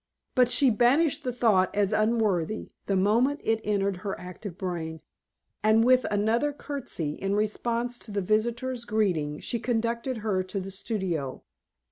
But she banished the thought as unworthy, the moment it entered her active brain, and with another curtsey in response to the visitor's greeting, she conducted her to the studio.